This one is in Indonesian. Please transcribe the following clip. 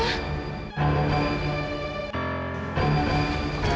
itu maksudnya apa